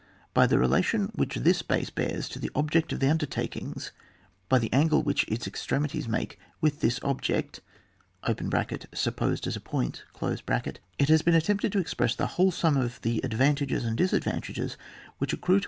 By the rela tion which this base bears to the object of the undertakings, by the angle which its extremities make with this object (supposed as a point), it has been at tempted to express the whole sum of the advantages and disadvantages which ac crue to.